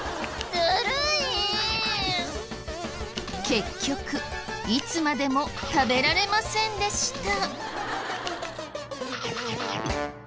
結局いつまでも食べられませんでした。